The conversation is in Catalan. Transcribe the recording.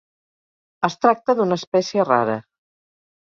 Es tracta d'una espècie rara.